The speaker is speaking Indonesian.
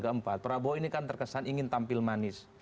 keempat prabowo ini kan terkesan ingin tampil manis